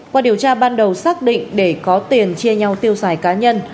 qua điều tra ban đầu xác định để có tiền chia nhau tiêu xài cá nhân